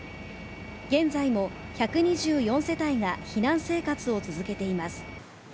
現在も１２４世帯が避難生活を続けています。